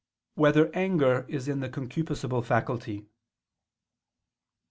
3] Whether Anger Is in the Concupiscible Faculty?